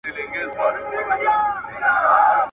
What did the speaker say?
ویره د باور په وړاندي یو لوی خنډ دی.